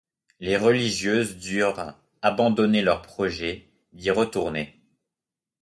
Les religieuses durent abandonner leurs projets d'y retourner.